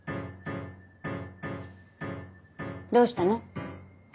どうしたの？